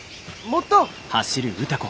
もっと！